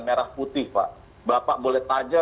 merah putih pak bapak boleh tanya